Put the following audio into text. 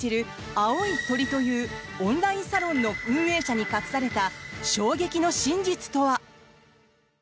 青い鳥というオンラインサロンの運営者に隠された衝撃の真実とは？